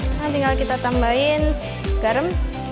sekarang tinggal kita tambahin garam